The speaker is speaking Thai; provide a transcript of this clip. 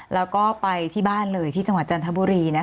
แล้วก็ไปที่บ้านเลยที่จังหวัดจันทบุรี